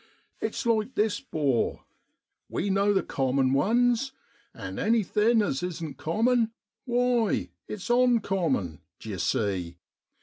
It's like this, 'bor, we know the common ones, and anything as isn't common, why, it's oncomrnon. D'ye see?